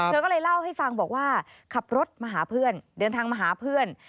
เธอก็เลยเล่าให้ฟังบอกว่าขับรถมาหาเพื่อนเดินทางมาหาเพื่อน